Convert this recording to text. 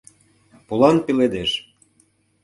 ПОЛАН ПЕЛЕДЕШ